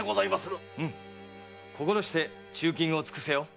うむ心して忠勤を尽くせよ。